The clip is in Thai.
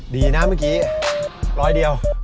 ดีนะเมื่อกี้ร้อยเดียว